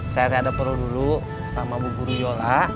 saya ada perlu dulu sama bukuru yola